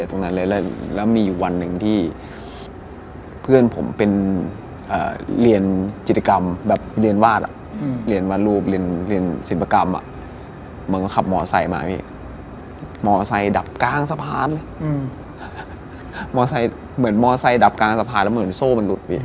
แต่ถ้าเหม็นอะคือเหมือนกับ